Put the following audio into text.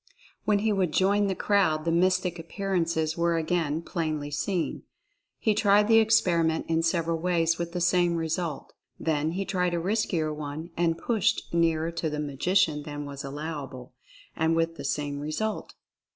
When he would join the crowd the mystic appearances were again plainly seen. He tried the experiment in several ways, with the same result. Then he tried a riskier one and pushed nearer to the magician than was allowable — and with the same result.